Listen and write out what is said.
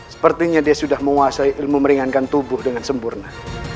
sepertinya dia sudah menguasai ilmu meringankan tubuh dengan sempurna